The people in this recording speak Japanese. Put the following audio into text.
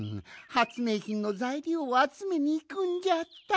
はつめいひんのざいりょうをあつめにいくんじゃった！